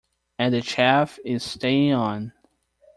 And the chef is staying on.